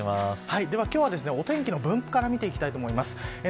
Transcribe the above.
では今日は、お天気の分布から見ていきたいと思います。